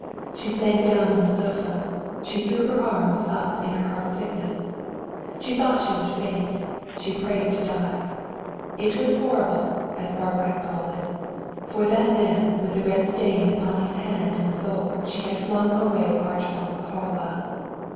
She sank down on the sofa; she threw her arms up in her heart sickness; she thought she would faint; she prayed to die. It was horrible, as Barbara had called it. For that man with the red stain upon his hand and soul she had flung away Archibald Carlyle.